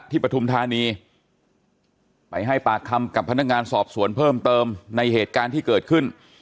ปฐุมธานีไปให้ปากคำกับพนักงานสอบสวนเพิ่มเติมในเหตุการณ์ที่เกิดขึ้น